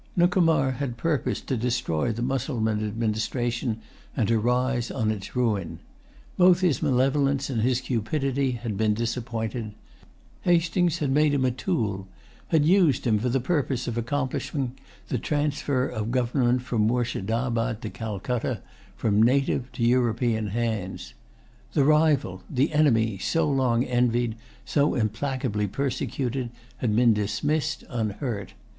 Nuncomar had purposed to destroy the Mussulman administration, and to rise on its ruin. Both his malevolence and his cupidity had been disappointed. Hastings had made him a tool, had used him for the purpose of accomplishing the transfer of the government from Moorshedabad to Calcutta, from native to European hands. The rival, the enemy, so long envied, so implacably persecuted, had been dismissed unhurt.